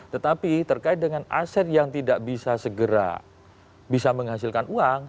tetapi terkait dengan aset yang tidak bisa segera bisa menghasilkan uang